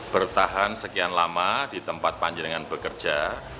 bertahan sekian lama di tempat panjenengan bekerja